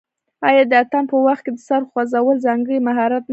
آیا د اتن په وخت کې د سر خوځول ځانګړی مهارت نه دی؟